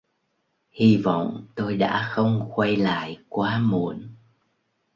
Hi vọng tôi đã không quay lại quá muộn